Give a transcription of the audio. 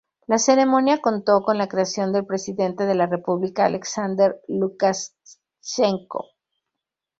La ceremonia contó con la presencia del presidente de la República Alexander Lukashenko.